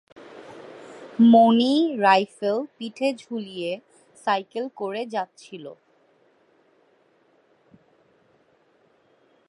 মনি rifle পিঠে ঝুলিয়ে cycle করে যাচ্ছিল।